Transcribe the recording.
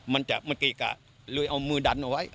มันจะมาเกะกะเลยเอามือดันเอาไว้